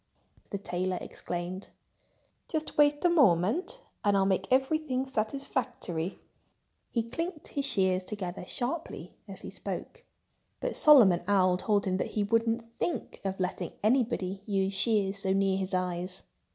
the tailor exclaimed. "Just wait a moment and I'll make everything satisfactory." He clinked his shears together sharply as he spoke. But Solomon Owl told him that he wouldn't think of letting anybody use shears so near his eyes.